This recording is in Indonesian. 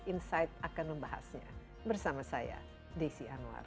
insight akan membahasnya bersama saya desi anwar